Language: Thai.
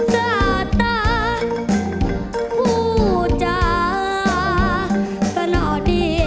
สะอาดตาผู้จาสนอดี